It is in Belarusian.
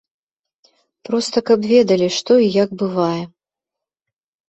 Проста, каб ведалі, што і як бывае.